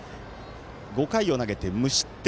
５回を投げて無失点。